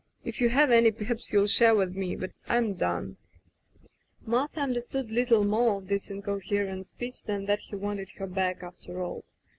If you have any, perhaps you'll share with me, but Fm done/* Martha understood little more of this in coherent speech than that he wanted her back after all.